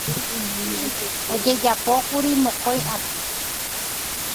Ojejapókuri mokõi aty.